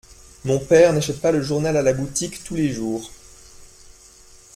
Mon père n’achète pas le journal à la boutique tous les jours.